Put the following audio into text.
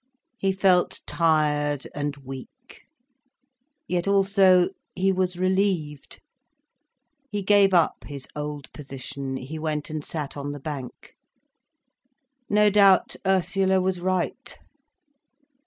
He felt tired and weak. Yet also he was relieved. He gave up his old position. He went and sat on the bank. No doubt Ursula was right.